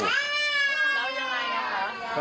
แล้วยังไงนะคะ